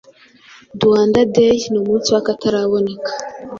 Rwanda Day ni umunsi wakataraboneka